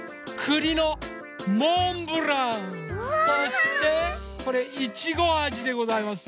そしてこれいちごあじでございますよ。